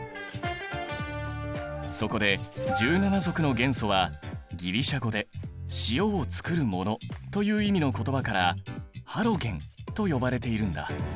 そこで１７族の元素はギリシャ語で「塩をつくるもの」という意味の言葉からハロゲンと呼ばれているんだ。